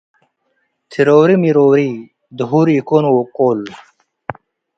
ትሮሪ ምሮሪ - ድሁር ኢኮን ወወቁል